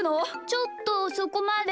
ちょっとそこまで。